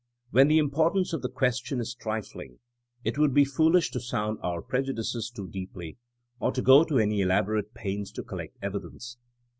Where the importance of the question is trifling, it would be foolish to sound our preju dices too deeply, or to go to any elaborate pains to collect evidence.